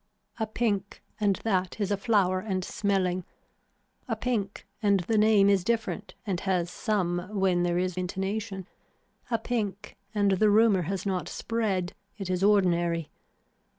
A pink and that is a flower and smelling, a pink and the name is different and has some when there is intonation, a pink and the rumor has not spread, it is ordinary.